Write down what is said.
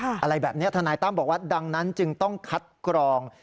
อะไรแบบนี้ทนายตั้มบอกว่าดังนั้นจึงต้องคัดกรอง